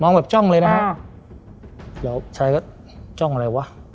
มองแบบจ้องเลยนะครับอ่าเดี๋ยวชายก็จ้องอะไรวะ